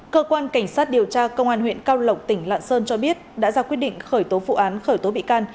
cơ quan cảnh sát điều tra công an huyện cao lộc tỉnh lạng sơn cho biết đã ra quyết định khởi tố vụ án khởi tố bị can